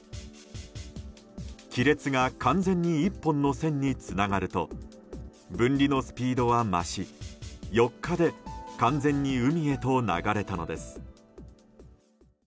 亀裂が完全に１本の線につながると分離のスピードは増し４日で、完全に海へと流れたのです。